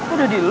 kok udah di lu